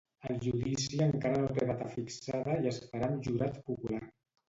El judici encara no té data fixada i es farà amb jurat popular.